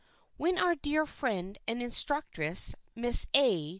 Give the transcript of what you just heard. When our dear friend and instructress, Miss A.